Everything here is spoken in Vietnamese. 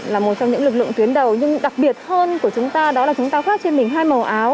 là một trong những lực lượng tuyến đầu nhưng đặc biệt hơn của chúng ta đó là chúng ta khoác trên mình hai màu áo